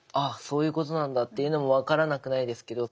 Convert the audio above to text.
そういうことなんだっていうのも分からなくないですけど。